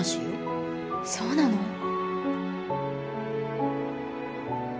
・そうなの？